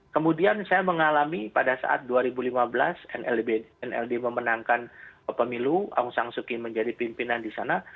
kemudian saya mengalami pada saat dua ribu lima belas nld memenangkan pemilu aung sang suki menjadi pimpinan di sana